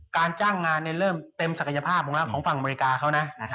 การจ้างงานเริ่มเต็มศักยภาพลงแล้วของฝั่งอเมริกาเขานะ